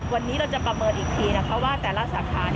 วันนี้เราจะประเมินอีกทีนะคะว่าแต่ละสาขา